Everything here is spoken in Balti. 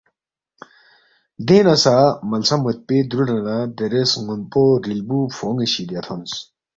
دینگ نہ سہ ملسہ مودپوے دُرولےنہ دیرے سن٘ونپو ریلبُو فون٘ی شِدیا تھونس